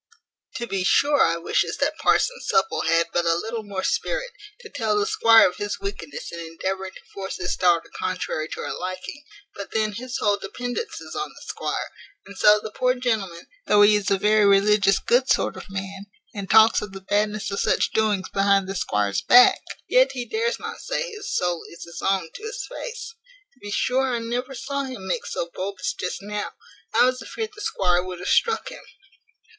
To be sure I wishes that parson Supple had but a little more spirit, to tell the squire of his wickedness in endeavouring to force his daughter contrary to her liking; but then his whole dependance is on the squire; and so the poor gentleman, though he is a very religious good sort of man, and talks of the badness of such doings behind the squire's back, yet he dares not say his soul is his own to his face. To be sure I never saw him make so bold as just now; I was afeard the squire would have struck him.